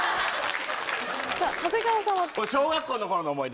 さぁ長谷川さんは。